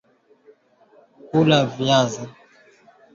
ambako wabunge hufanyia vikao vyao kuporomoka